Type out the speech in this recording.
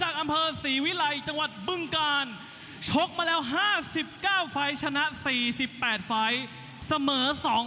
๔๗ต่างและ๑๓ต่าง